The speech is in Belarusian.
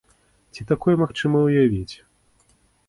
Ці такое магчыма ўявіць?